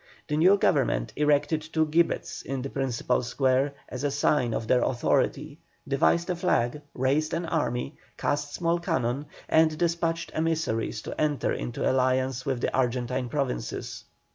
The new Government erected two gibbets in the principal square as a sign of their authority, devised a flag, raised an army, cast small cannon, and despatched emissaries to enter into alliance with the Argentine Provinces.